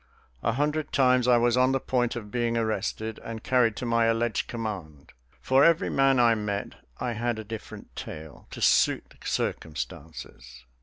A hundred times I was on the point of being arrested and carried to my alleged command. For every man I met I had a different tale, to suit the circumstances.